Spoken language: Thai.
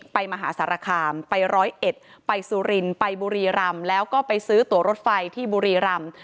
มหาสารคามไปร้อยเอ็ดไปสุรินไปบุรีรำแล้วก็ไปซื้อตัวรถไฟที่บุรีรำ